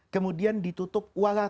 kemudian ditutup walaat